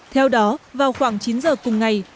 theo đó vào khoảng chín giờ cùng ngày